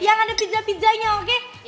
yang ada pijanya oke